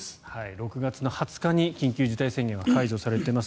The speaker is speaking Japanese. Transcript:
６月の２０日に緊急事態宣言は解除されています。